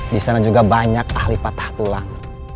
disana juga banyak ahli patah tulang